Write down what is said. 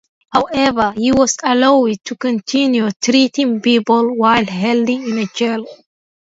However, he was allowed to continue treating people while held in jail.